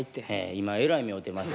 今えらい目遭うてます。